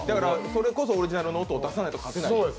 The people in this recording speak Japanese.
それこそ、オリジナルの音を出さないと勝てない。